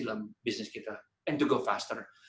dalam bisnis kita and to go faster